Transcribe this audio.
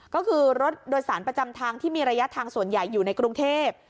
ก็คือรถโดยสารประจำทางที่มีระยะทางส่วนใหญ่อยู่ในกรุงเทพ